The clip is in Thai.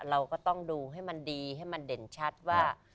เราก็ต้องดูให้มันดีให้มันเด่นชัดว่า